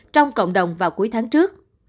trong cộng đồng vào cuối tháng trước